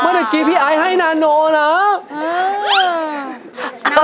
เมื่อเมื่อกี้พี่ไอ้ให้นาโนนะ